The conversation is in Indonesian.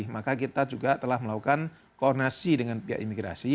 maka kita juga telah melakukan koordinasi dengan pihak imigrasi